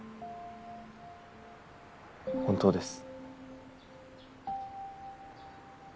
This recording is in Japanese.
本当です。